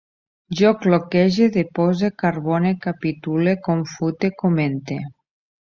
Jo cloquege, depose, carbone, capitule, confute, comente